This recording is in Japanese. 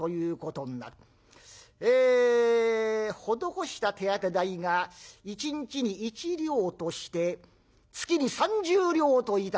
ええ施した手当て代が一日に１両として月に３０両といたそう。